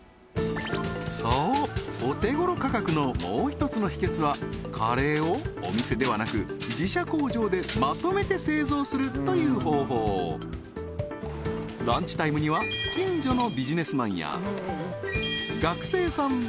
そうお手頃価格のもう一つの秘訣はカレーをお店ではなく自社工場でまとめて製造するという方法ランチタイムには近所のビジネスマンや学生さん